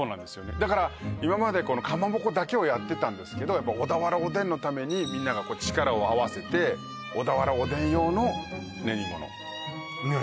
だから今までかまぼこだけをやってたんですけどやっぱ小田原おでんのためにみんなが力を合わせて小田原おでん用の練り物ねえ